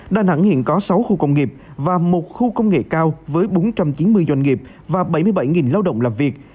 đà nẵng hiện có sáu khu công nghiệp và một khu công nghệ cao với bốn trăm chín mươi doanh nghiệp và bảy mươi bảy lao động làm việc